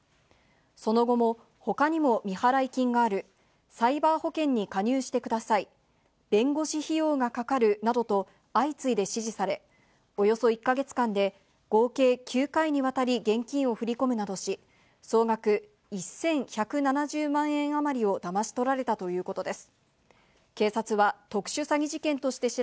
その後も、ほかにも未払金がある、サイバー保険に加入してください、弁護士費用がかかるなどと、相次いで指示され、およそ１か月間で合計９回にわたり現金を振り込むなどし、総額１１７０万円余りをだまし取られたということです。